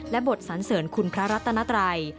และบทสันเสริญคุณพระรัตนัตรัย